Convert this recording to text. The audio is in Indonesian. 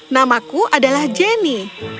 namaku adalah jenny